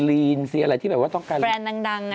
ซีรีนอะไรที่แบบว่าต้องการแฟรนด์ดังน่ะ